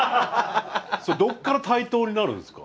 それどっから対等になるんですか？